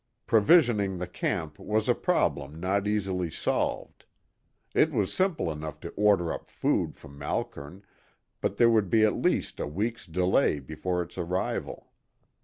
Provisioning the camp was a problem not easily solved. It was simple enough to order up food from Malkern, but there would be at least a week's delay before its arrival.